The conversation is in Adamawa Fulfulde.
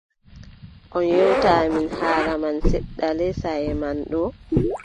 On ƴewta amin haala man seɗɗa lee saaye man ɗo ?